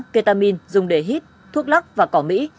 ketamine dùng để hít thuốc lắc và cỏ mỹ